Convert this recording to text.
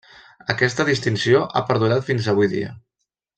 Aquesta distinció ha perdurat fins avui dia.